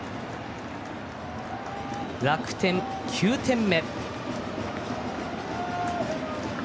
楽天、９点目。